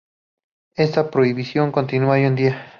Esta prohibición continúa hoy en día.